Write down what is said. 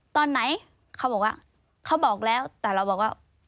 ตอนไหนเขาบอกว่าเขาบอกแล้วแต่เราบอกว่า